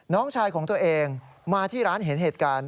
น้องชายของตัวเองมาที่ร้านเห็นเหตุการณ์